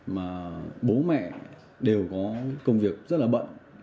mà bố mẹ đều có công việc rất là bận